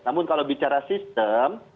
namun kalau bicara sistem